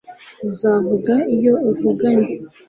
Uzavuga iyo uvuganye